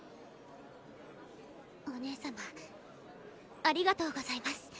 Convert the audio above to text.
お姉様ありがとうございます